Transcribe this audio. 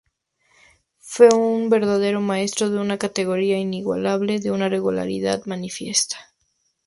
Fue un verdadero maestro, de una categoría inigualable, de una regularidad manifiesta.